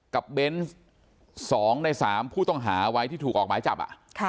กับเบนสองในสามผู้ต้องหาไว้ที่ถูกออกไหมจับ